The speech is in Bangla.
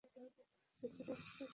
স্যুটকেসের মধ্যে ছোট করাত আছে দেখো।